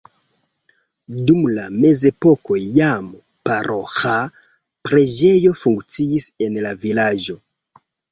Dum la mezepoko jam paroĥa preĝejo funkciis en la vilaĝo.